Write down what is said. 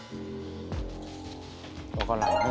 分からないね